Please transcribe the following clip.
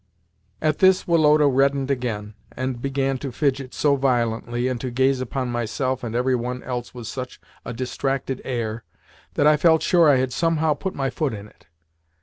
At this Woloda reddened again, and began to fidget so violently, and to gaze upon myself and every one else with such a distracted air, that I felt sure I had somehow put my foot in it.